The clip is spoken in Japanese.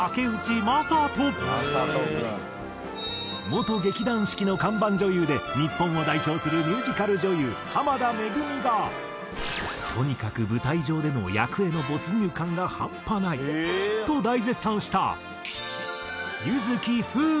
元劇団四季の看板女優で日本を代表するミュージカル女優濱田めぐみが「とにかく舞台上での役への没入感が半端ない！！」と大絶賛した唯月ふうか。